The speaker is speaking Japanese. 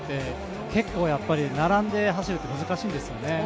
結構並んで走るって難しいんですよね。